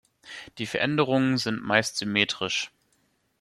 Die Veränderungen sind meist symmetrisch.